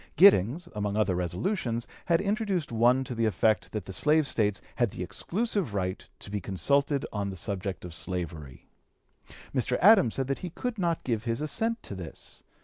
Giddings, among other resolutions, had introduced one to the effect that the slave States had the exclusive right to be consulted on the subject of slavery. Mr. Adams said that he could not give his assent to this.